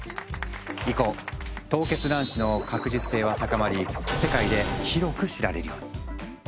以降凍結卵子の確実性は高まり世界で広く知られるように。